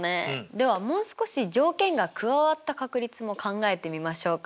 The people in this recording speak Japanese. ではもう少し条件が加わった確率も考えてみましょうか？